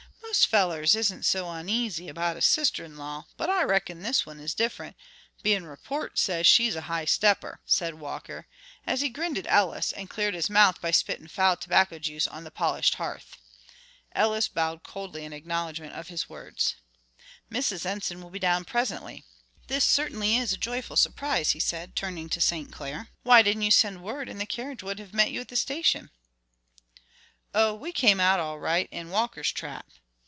Most fellers isn't so oneasy about a sister in law, but I reckon this one is different, being report says she's a high stepper," said Walker, as he grinned at Ellis and cleared his mouth by spitting foul tobacco juice on the polished hearth. Ellis bowed coldly in acknowledgment of his words. "Mrs. Enson will be down presently. This certainly is a joyful surprise," he said, turning to St. Clair. "Why didn't you send word, and the carriage would have met you at the station?" "Oh, we came out all right in Walker's trap."